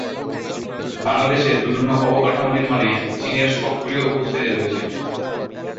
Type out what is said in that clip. বাংলাদেশের বিভিন্ন অবকাঠামো নির্মাণে চীনের সক্রিয় উপস্থিতি রয়েছে।